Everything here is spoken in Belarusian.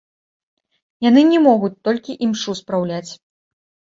Яны не могуць толькі імшу спраўляць.